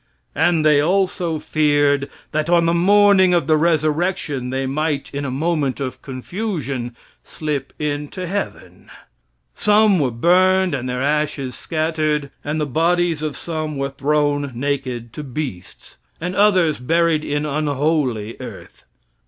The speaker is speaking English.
And they also feared that on the morning of the resurrection they might, in a moment of confusion, slip into heaven. Some were burned and their ashes scattered; and the bodies of some were thrown naked to beasts, and others buried in unholy earth.